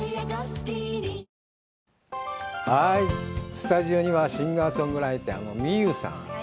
スタジオには、シンガーソングライターのＭｉｙｕｕさん。